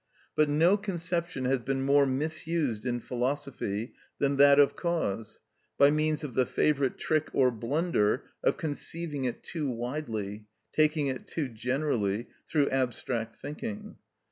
But no conception has been more misused in philosophy than that of cause, by means of the favourite trick or blunder of conceiving it too widely, taking it too generally, through abstract thinking.